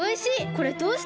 これどうしたの？